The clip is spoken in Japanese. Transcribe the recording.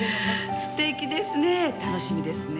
素敵ですね楽しみですね。